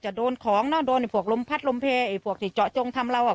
จะโดนของเนอะโดนไอ้พวกลมพัดลมเยไอ้พวกที่เจาะจงทำเราอ่ะ